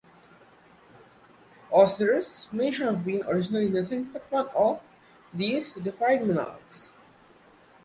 Osiris may have been originally nothing but one of these deified monarchs.